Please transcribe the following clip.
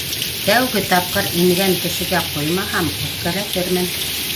Тәү тапҡыр ингән кешегә ҡуймаһам, үпкәләтермен!